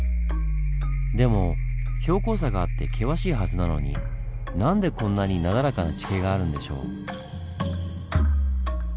でも標高差があって険しいはずなのに何でこんなになだらかな地形があるんでしょう？